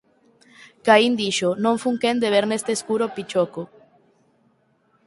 “Caín”, dixo: “Non fun quen de ver neste escuro pichoco”.